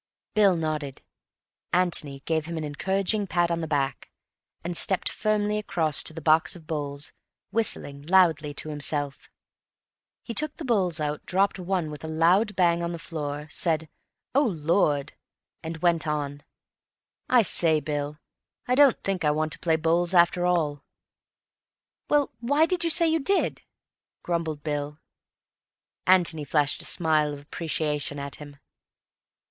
Bill nodded. Antony gave him an encouraging pat on the back, and stepped firmly across to the box of bowls, whistling loudly to himself. He took the bowls out, dropped one with a loud bang on the floor, said, "Oh, Lord!" and went on: "I say, Bill, I don't think I want to play bowls, after all." "Well, why did you say you did?" grumbled Bill. Antony flashed a smile of appreciation at him.